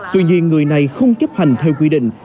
tuy nhiên người này không chấp hành theo quy định